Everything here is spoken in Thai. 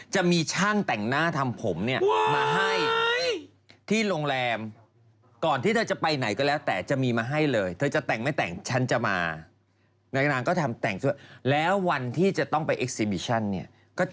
จะมีช่างแต่งหน้าทำผมเนี่ย